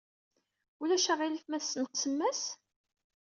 Ulac aɣilif ma tesneqsem-as?